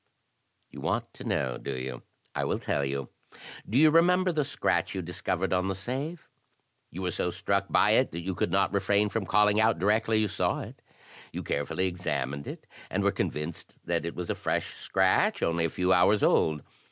"You want to know, do you? I will tell you. Do you remember the scratch you discovered on the safe? You were so struck by it, that you could not refrain from calling out directly you saw it. You carefully examined it, and were convinced that it was a fresh scratch, only a few hours old.